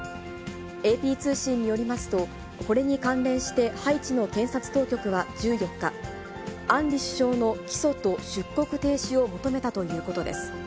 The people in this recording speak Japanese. ＡＰ通信によりますと、これに関連して、ハイチの検察当局は１４日、アンリ首相の起訴と出国停止を求めたということです。